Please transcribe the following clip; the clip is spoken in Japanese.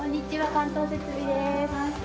関東設備です。